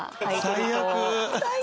最悪！